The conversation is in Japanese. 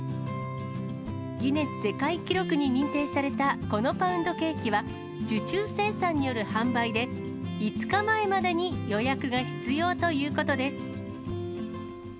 ギネス世界記録に認定されたこのパウンドケーキは、受注生産による販売で、５日前までに予約が必要ということです。